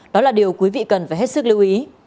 đó là điều quý vị cần phải hết sức lưu ý